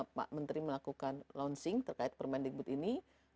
mbak menteri melakukan launching terkait permainan digbud ini